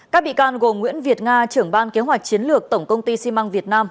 các bị can gồm nguyễn việt nga trưởng ban kế hoạch chiến lược tổng công ty xi măng việt nam